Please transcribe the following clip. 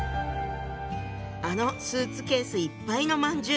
あのスーツケースいっぱいの饅頭。